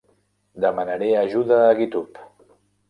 Demanaré ajuda a Github.